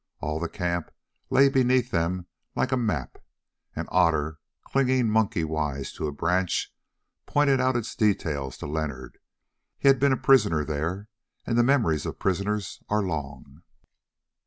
All the camp lay beneath them like a map, and Otter, clinging monkey wise to a branch, pointed out its details to Leonard. He had been a prisoner there, and the memories of prisoners are long.